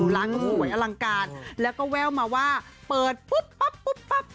ร้านก็สวยอลังการแล้วก็แววมาว่าเปิดปุ๊บปั๊บปุ๊บปั๊บ